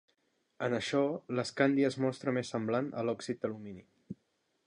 En això, l'escandi es mostra més semblant a l'òxid d'alumini.